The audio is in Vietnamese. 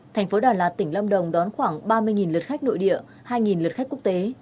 thành phố đà lạt tỉnh lâm đồng đón khoảng ba mươi lượt khách nội địa hai lượt khách quốc tế